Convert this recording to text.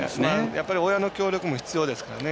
親の協力も必要ですからね。